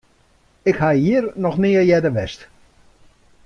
Ik ha hjir noch nea earder west.